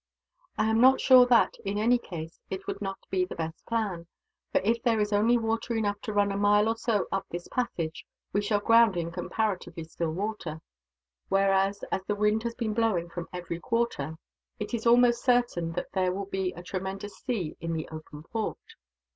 I am not sure that, in any case, it would not be the best plan; for if there is only water enough to run a mile or so up this passage, we shall ground in comparatively still water; whereas, as the wind has been blowing from every quarter, it is almost certain that there will be a tremendous sea in the open port."